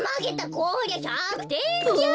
こりゃ１００てんじゃ。